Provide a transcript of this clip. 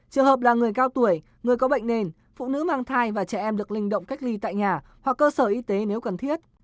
trường hợp là người cao tuổi người có bệnh nền phụ nữ mang thai và trẻ em được linh động cách ly tại nhà hoặc cơ sở y tế nếu cần thiết